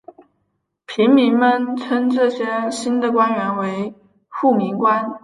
平民们称这些新的官员为护民官。